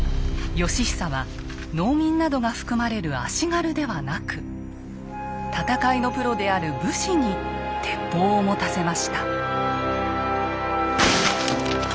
義久は農民などが含まれる戦いのプロである武士に鉄砲を持たせました。